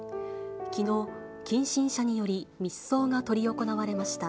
きのう、近親者により密葬が執り行われました。